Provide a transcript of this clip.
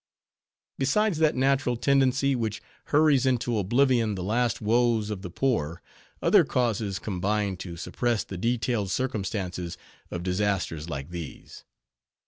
Besides that natural tendency, which hurries into oblivion the last woes of the poor; other causes combine to suppress the detailed circumstances of disasters like these.